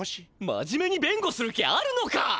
真面目にべんごする気あるのか？